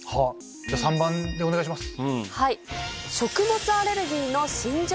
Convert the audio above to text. じゃあ３番でお願いします。